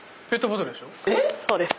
そうです。